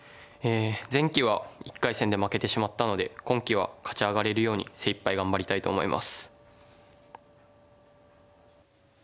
前期は１回戦で負けてしまったので今期は勝ち上がれるように精いっぱい頑張りたいと思います。